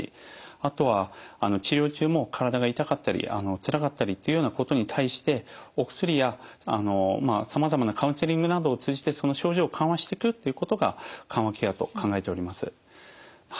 あとは治療中も体が痛かったりつらかったりというようなことに対してお薬やさまざまなカウンセリングなどを通じてその症状を緩和してくっていうことが緩和ケアと考えております。